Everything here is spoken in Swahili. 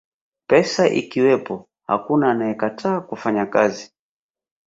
pesa ikiwepo hakuna anayekataa kufanya kazi